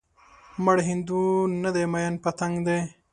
مړ هندو نه دی ميئن پتنګ دی